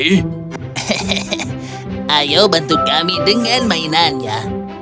hehehe ayo bantu kami dengan mainannya